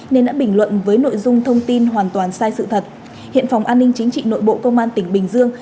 nên đã bình luận với nội dung thông tin hoàn toàn sai sự thật hiện phòng an ninh chính trị nội bộ công an tỉnh bình dương